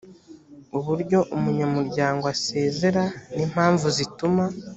uburyo umunyamuryango asezera n impamvu zituma